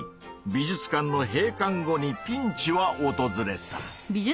美術館の閉館後にピンチはおとずれた。